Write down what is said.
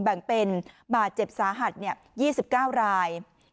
แบ่งเป็นบาดเจ็บสาหัส๒๙ราย